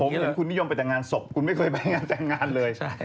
ผมเห็นคุณนิยมไปแต่งงานศพคุณไม่เคยไปงานแต่งงานเลย